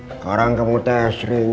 sekarang kamu tes riwu